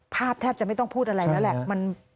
แทบจะไม่ต้องพูดอะไรแล้วแหละ